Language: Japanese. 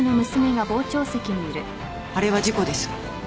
あれは事故です。